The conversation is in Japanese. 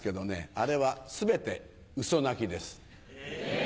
あれは全てウソ泣きです。え！